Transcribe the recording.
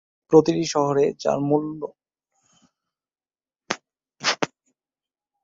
প্রতিটি শহরে যার মূল শব্দের শেষে প্রয়াগ যুক্ত আছে, সেখানে অলকানন্দা অন্য নদীর সাথে মিলিত হয়েছে।